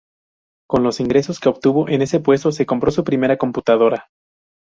Con los ingresos que obtuvo en ese puesto se compró su primera computadora.